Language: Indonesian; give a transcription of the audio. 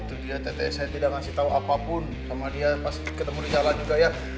itu dia tetes saya tidak ngasih tahu apapun sama dia pas ketemu di jalan juga ya